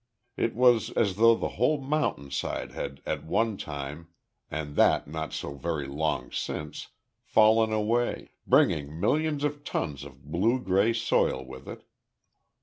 It was as though the whole mountain side had at one time and that not so very long since, fallen away, bringing millions of tons of blue grey soil with it.